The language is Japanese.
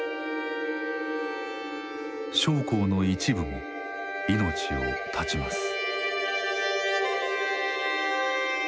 将校の一部も命を絶ちます。